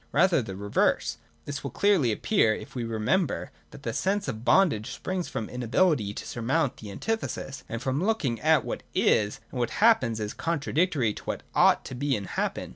Rather the reverse. This will clearly appear, if we remember, that the sense of bondage springs from inability to surmount the antithesis, and from looking at what is, and what happens, as contra dictory to what ought to be and happen.